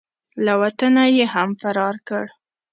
له وطنه یې هم فرار کړ.